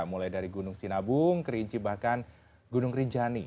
mulai dari gunung sinabung kerinci bahkan gunung rinjani